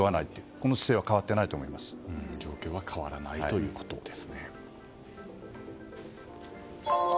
この姿勢は状況は変わらないということですね。